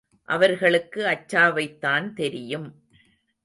அவர்களுக்கு ஆச்சாவைத்தான் தெரியும்.